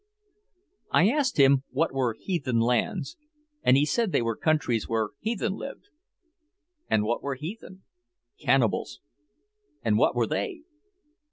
I asked him what were heathen lands, and he said they were countries where heathen lived. And what were heathen? Cannibals. And what were they?